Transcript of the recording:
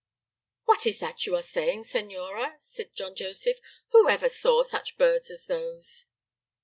"What is that you are saying, Senora?" cried John Joseph, "who ever saw such birds as those?"